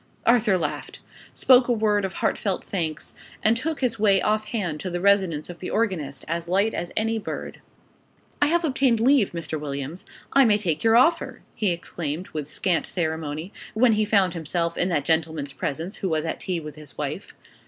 Arthur laughed; spoke a word of heartfelt thanks; and took his way off hand to the residence of the organist as light as any bird. "I have obtained leave, Mr. Williams; I may take your offer!" he exclaimed with scant ceremony, when he found himself in that gentleman's presence, who was at tea with his wife.